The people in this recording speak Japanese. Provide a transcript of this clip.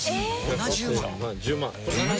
７０万。